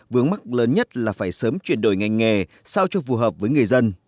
vướng mắt lớn nhất là phải sớm chuyển đổi ngành nghề sao cho phù hợp với người dân